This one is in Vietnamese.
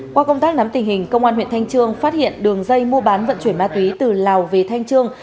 qua công tác nắm tình hình công an huyện thanh trương phát hiện đường dây mua bán vận chuyển ma túy từ lào về thanh trương